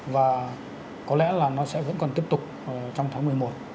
và có lẽ là nó sẽ vẫn còn tiếp tục trong tháng một mươi một